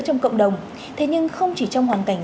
trong cộng đồng thế nhưng không chỉ trong hoàn cảnh